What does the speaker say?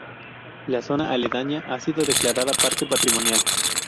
La zona aledaña ha sido declarada Parque Patrimonial.